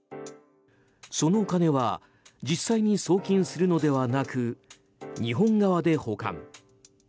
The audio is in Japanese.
その金は実際に送金するのではなく日本側で保管。